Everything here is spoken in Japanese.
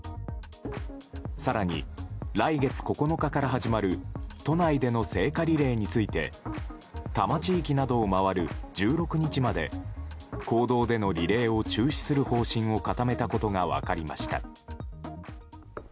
更に、来月９日から始まる都内での聖火リレーについて多摩地域などを回る１６日まで公道でのリレーを中止する方針を固めたことが分かりました。